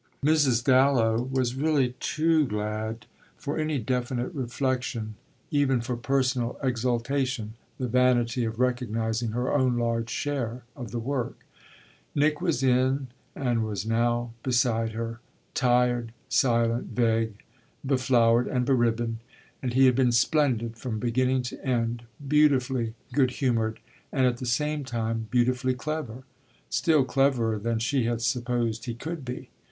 Mrs. Dallow was really too glad for any definite reflexion, even for personal exultation, the vanity of recognising her own large share of the work. Nick was in and was now beside her, tired, silent, vague, beflowered and beribboned, and he had been splendid from beginning to end, beautifully good humoured and at the same time beautifully clever still cleverer than she had supposed he could be.